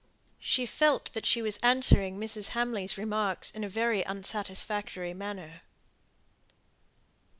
She felt that she was answering Mrs. Hamley's remarks in a very unsatisfactory manner.